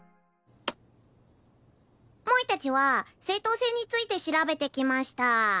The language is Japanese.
萌たちは政党制について調べてきました。